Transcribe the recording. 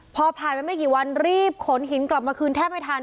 พอผ่านไปไม่กี่วันรีบขนหินกลับมาคืนแทบไม่ทัน